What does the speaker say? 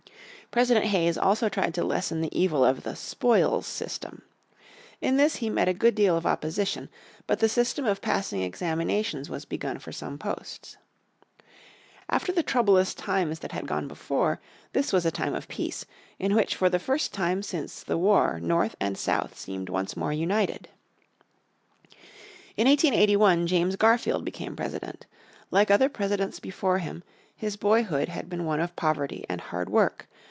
President Hayes also tried to lessen the evil of the "spoils system." In this he met a good deal of opposition. But the system of passing examinations was begun for some posts. After the troublous times that had gone before this was a time of peace, in which for the first time since the War North and South seemed once more united. In 1881 James Garfield became President. Like other Presidents before him, his boyhood had been one of poverty and hard work.